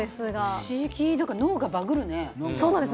不思議、脳がバグるね。